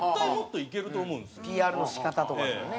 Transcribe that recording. ＰＲの仕方とかですよね。